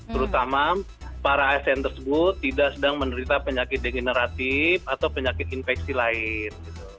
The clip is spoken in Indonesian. terutama para asn tersebut tidak sedang menderita penyakit degeneratif atau penyakit infeksi lain